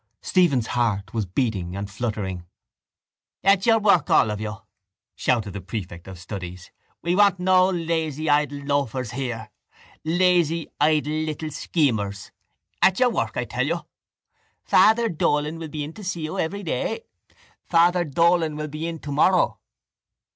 Stephen's heart was beating and fluttering. —At your work, all of you! shouted the prefect of studies. We want no lazy idle loafers here, lazy idle little schemers. At your work, I tell you. Father Dolan will be in to see you every day. Father Dolan will be in tomorrow.